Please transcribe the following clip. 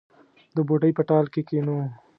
د بوډۍ په ټال کې کښېنو